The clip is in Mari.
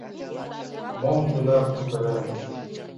Мом тынар кутырем.